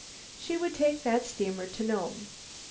She would take that steamer to Nome.